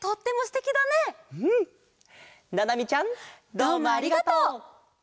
どうもありがとう。